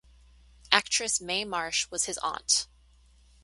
Actress Mae Marsh was his aunt.